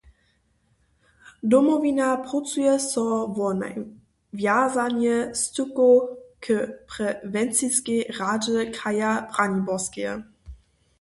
Domowina prócuje so wo nawjazanje stykow k prewenciskej radźe Kraja Braniborskeje.